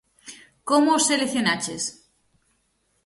Como os seleccionaches?